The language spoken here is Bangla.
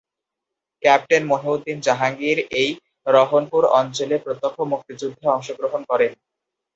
ক্যাপ্টেন মহিউদ্দিন জাহাঙ্গীর এই রহনপুর অঞ্চলে প্রত্যক্ষ মুক্তিযুদ্ধে অংশগ্রহণ করেন।